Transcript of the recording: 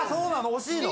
惜しいの？